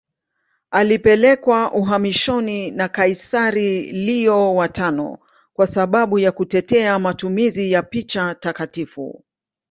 Alipelekwa uhamishoni na kaisari Leo V kwa sababu ya kutetea matumizi ya picha takatifu.